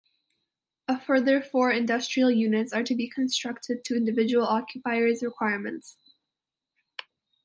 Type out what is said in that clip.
A further four industrial units are to be constructed to individual occupiers' requirements.